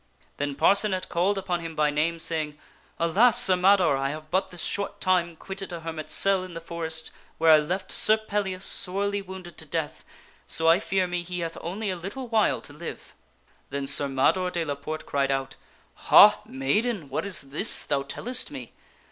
Then Parcenet called upon him by Porte name, saying, " Alas ! Sir Mador, I have but this short time quitted a her mit's cell in the forest where I left Sir Pellias sorely wounded to death, so I fear me he hath only a little while to live." Then Sir Mador de la Porte cried out, "Ha ! maiden, what is this thou tellest me